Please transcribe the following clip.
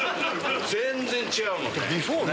全然違うもんね。